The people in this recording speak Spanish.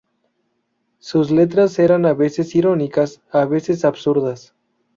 Sus letras eran a veces irónicas, a veces absurdas.